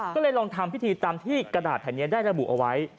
ก็เลยลองทำพิธีตามที่กระดาษแห่งนี้ได้ระบุเอาไว้